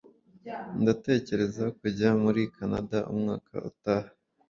Ndatekereza kujya muri Kanada umwaka utaha.